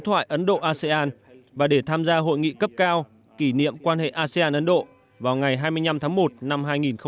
thoại ấn độ asean và để tham gia hội nghị cấp cao kỷ niệm quan hệ asean ấn độ vào ngày hai mươi năm tháng một năm